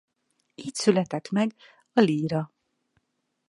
Így született meg a líra.